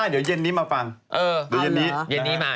เดี๋ยวเรื่องมิ้นกับยาเดี๋ยวเย็นนี้มาฟัง